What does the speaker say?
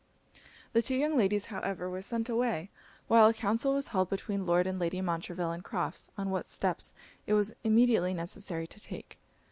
The two young ladies however were sent away, while a council was held between Lord and Lady Montreville and Crofts, on what steps it was immediately necessary to take.